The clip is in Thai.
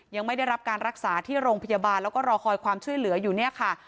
ยังไม่ได้รับการรักษาที่โรงพยาบาลแล้วก็รอคอยความช่วยเหลืออยู่เนี่ยค่ะ